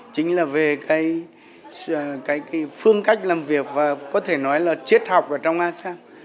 chính là về cái phương cách làm việc và có thể nói là triết học ở trong asean